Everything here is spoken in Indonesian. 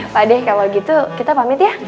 pade kalau gitu kita pamit ya